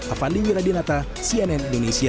avandi wiradinata cnn indonesia